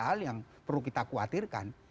hal yang perlu kita khawatirkan